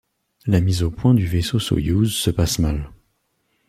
La mise au point du vaisseau Soyouz se passe mal.